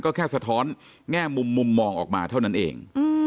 ก็แค่สะท้อนแง่มุมมุมมองออกมาเท่านั้นเอง